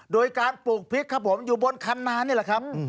โดยการปลูกพริกครับผมอยู่บนคันนานี่แหละครับ